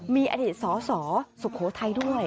มีอดีตสสสุโขทัยด้วย